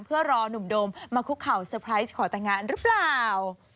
เพื่อรอนุ่มโดมมาคุกเข่าเซอร์ไพรส์ขอแต่งงานหรือเปล่า